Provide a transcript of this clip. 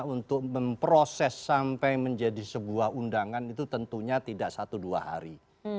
untuk memproses sampai menjadi sebuah undangan itu tentunya tidak satu dua hari